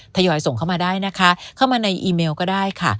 ทยอยส่งเข้ามาได้นะคะเข้ามาในอีเมลก็ได้ค่ะ